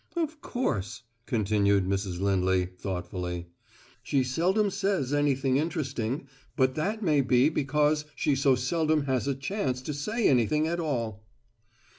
"Of course," continued Mrs. Lindley, thoughtfully, "she seldom says anything interesting, but that may be because she so seldom has a chance to say anything at all."